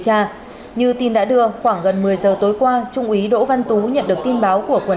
tra như tin đã đưa khoảng gần một mươi giờ tối qua trung úy đỗ văn tú nhận được tin báo của quần